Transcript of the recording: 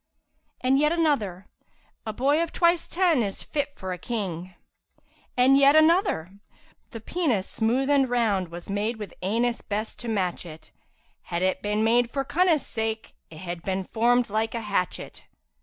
And yet another, 'A boy of twice ten is fit for a King!' And yet another, 'The penis smooth and round was made with anus best to match it, * Had it been made for cunnus' sake it had been formed like hatchet!'